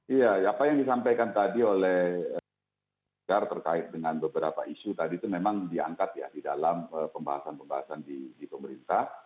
iya apa yang disampaikan tadi olehgar terkait dengan beberapa isu tadi itu memang diangkat ya di dalam pembahasan pembahasan di pemerintah